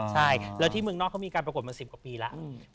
ใช่แล้วที่เมืองนอกเขามีการปรากฏมา๑๐กว่าปีแล้ว